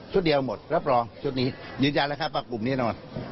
ชุดเรียกหมดรับรองชุดนี้ยืนยันแล้วครับปากกลุ่มนี้นะครับ